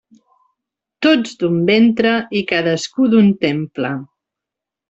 Tots d'un ventre, i cadascú d'un temple.